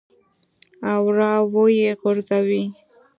او راویې غورځوې.